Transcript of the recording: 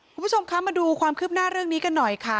คุณผู้ชมคะมาดูความคืบหน้าเรื่องนี้กันหน่อยค่ะ